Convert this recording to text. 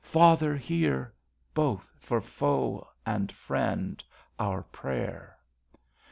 Father, hear, Both for foe and friend, our prayer.